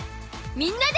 みんなで